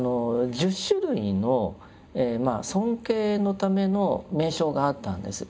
１０種類の尊敬のための名称があったんです。